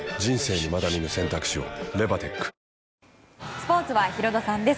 スポーツはヒロドさんです